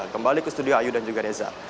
kembali ke studio ayu dan juga reza